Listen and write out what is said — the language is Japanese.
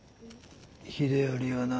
秀頼をな。